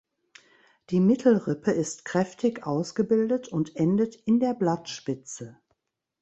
Die Mittelrippe ist kräftig ausgebildet und endet in der Blattspitze.